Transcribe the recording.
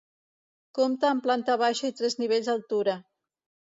Compta amb planta baixa i tres nivells d'altura.